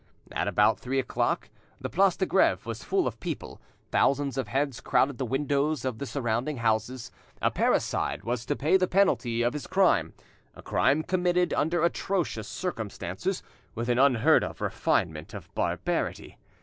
At about three o'clock, the Place de Greve was full of people, thousands of heads crowded the windows of the surrounding houses. A parricide was to pay the penalty of his crime—a crime committed under atrocious circumstances, with an unheard of refinement of barbarity.